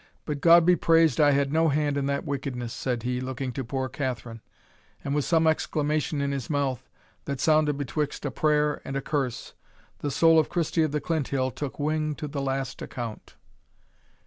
But God be praised I had no hand in that wickedness," said he, looking to poor Catherine; and with some exclamation in his mouth, that sounded betwixt a prayer and a curse, the soul of Christie of the Clinthill took wing to the last account.